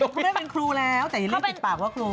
เขาไม่ได้เป็นครูแล้วแต่เล่นติดปากว่าครู